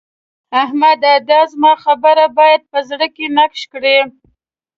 احمده! دا زما خبره بايد په زړه کې نقش کړې.